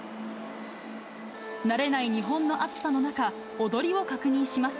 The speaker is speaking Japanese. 慣れない日本の暑さの中、踊りを確認します。